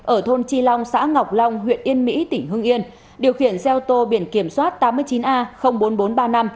ở thôn chi long xã ngọc long huyện yên mỹ tỉnh hưng yên điều khiển xe ô tô biển kiểm soát tám mươi chín a bốn nghìn bốn trăm ba mươi năm